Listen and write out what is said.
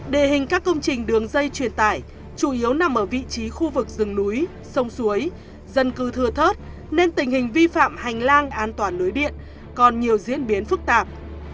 đề hình các công trình đường dây truyền tải chủ yếu nằm ở vị trí khu vực rừng núi sông suối dân cư thừa thớt nên tình hình vi phạm hành lang an toàn lưới điện còn nhiều diễn biến phức tạp